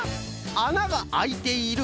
「あながあいている」